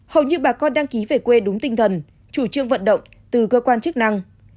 hầu như bà con đăng ký về quê đúng tinh thần chủ trương vận động từ cơ quan chức năng